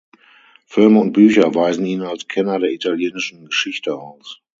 Filme und Bücher weisen ihn als Kenner der italienischen Geschichte aus.